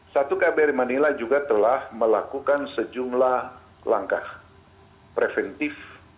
satu kbri manila juga telah melakukan sejumlah langkah preventif